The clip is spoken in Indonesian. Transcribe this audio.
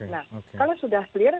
nah kalau sudah clear